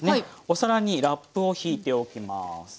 お皿にラップをひいておきます。